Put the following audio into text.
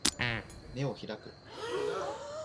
眼を開く